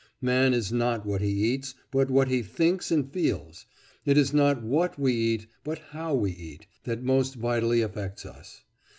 Man is not what he eats, but what he thinks and feels; it is not what we eat, but how we eat, that most vitally affects us.